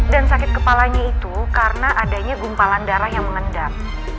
dan sakit kepalanya itu karena adanya gumpalan darah yang mengendam